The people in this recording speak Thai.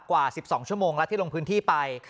กว่า๑๒ชั่วโมงแล้วที่ลงพื้นที่ไป